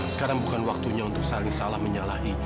sekarang bukan waktunya untuk saling salah menyalahi